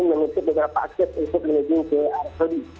menutup beberapa akses untuk menuju ke arab saudi